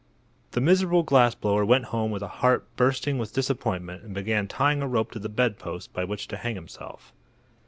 The miserable glass blower went home with a heart bursting with disappointment and began tying a rope to the bedpost by which to hang himself.